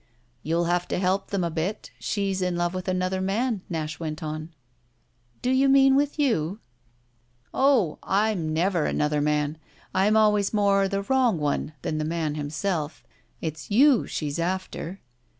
"You'll have to help them a bit. She's in love with another man," Nash went on. "Do you mean with you?" "Oh, I'm never another man I'm always more the wrong one than the man himself. It's you she's after."